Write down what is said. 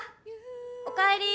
おかえり。